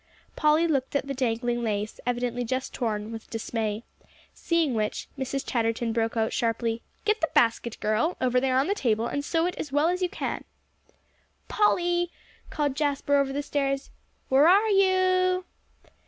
Polly looked at the dangling lace, evidently just torn, with dismay; seeing which, Mrs. Chatterton broke out sharply, "Get the basket, girl, over there on the table, and sew it as well as you can." "Polly!" called Jasper over the stairs, "where are you?"